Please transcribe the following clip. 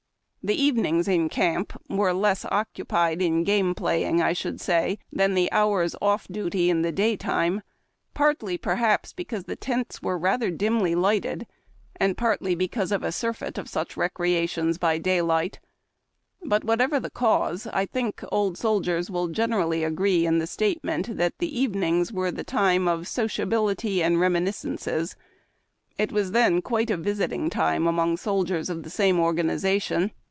The evenings in camp were less occupied in game playing, I should say, than the hours off duty in the daytime ; partly, 68 HARB TACK AND COFFEE. perhaps, because the tents were rather dimly lighted, and partly because of a surfeit of sucli recreations by daylight. But, whatever the cause, I think old soldiers will generally agree in the statement that the evenings were the time of sociability and reminiscence. It was then quite a visiting time among soldiers of the same organization.